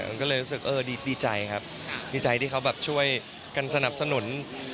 ต้องรู้สึกดีใจครับดีใจที่เขาแบบช่วยกันสนับสนุน